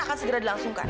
akan segera dilangsungkan